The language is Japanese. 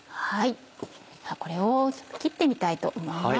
これを切ってみたいと思います。